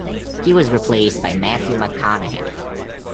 He was replaced by Matthew McConaughey.